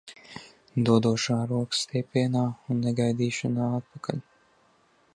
Dodošā rokas stiepienā un negaidīšanā atpakaļ.